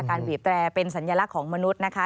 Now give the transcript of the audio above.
บีบแตรเป็นสัญลักษณ์ของมนุษย์นะคะ